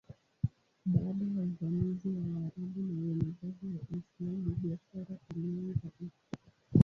Baada ya uvamizi wa Waarabu na uenezaji wa Uislamu biashara ilianza upya.